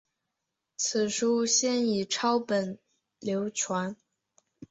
此书先以抄本流传。